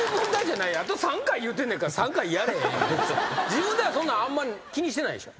自分ではそんなんあんまり気にしてないでしょ？